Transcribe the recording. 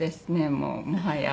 もうもはや。